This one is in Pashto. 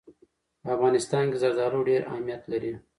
په افغانستان کې زردالو ډېر اهمیت لري.